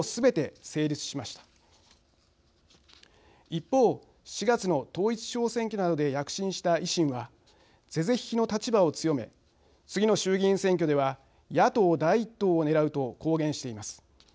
一方４月の統一地方選挙などで躍進した維新は是々非々の立場を強め次の衆議院選挙では野党第１党をねらうと公言しています。